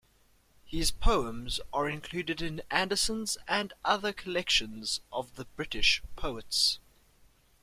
His poems are included in Anderson's and other collections of the British poets.